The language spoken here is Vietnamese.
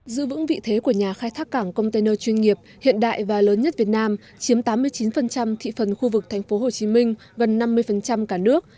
giữ vững vị thế của nhà khai thác cảng container chuyên nghiệp hiện đại và lớn nhất việt nam chiếm tám mươi chín thị phần khu vực thành phố hồ chí minh gần năm mươi cả nước